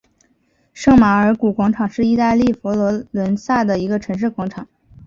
圣马尔谷广场是意大利佛罗伦萨的一个城市广场。